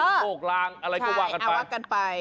โกกรางอะไรก็ว่ากันไปใช่เอาว่ากันไป